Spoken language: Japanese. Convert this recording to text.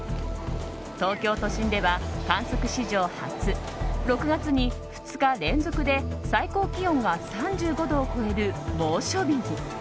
東京都心では観測史上初６月に２日連続で最高気温が３５度を超える猛暑日。